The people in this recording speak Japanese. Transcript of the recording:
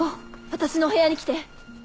私のお部屋に来て！